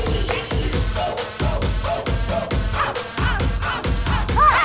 เอาล่อสักหว่า